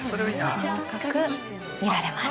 ◆細かく見られます。